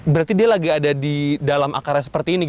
berarti dia lagi ada di dalam akarnya seperti ini